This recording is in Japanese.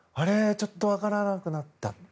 ちょっとわからなくなった。